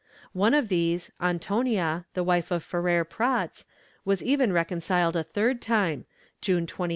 One of these, Antonia, wife of Ferrer Pratz was even reconciled a third time, June 28, 1509.